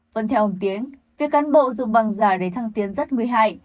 vẫn theo ông tiến việc cán bộ dùng bằng giả để thăng tiến rất nguy hại